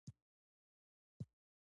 چای تود دی.